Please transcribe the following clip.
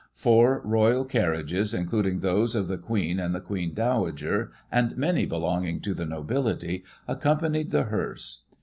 Four Royal car riages, including those of the Queen and the Queen Dowager, and many belonging to the nobility, accompanied the hearse.